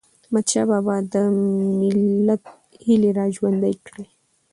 احمدشاه بابا د ملت هيلي را ژوندی کړي.